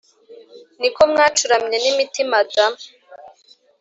Niko mwacuramye n’imitima da”?